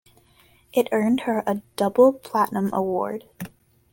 It earned her a Double Platinum award.